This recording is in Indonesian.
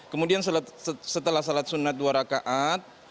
kemudian setelah sholat sunnat dua rakaat